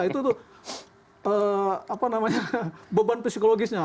itu beban psikologisnya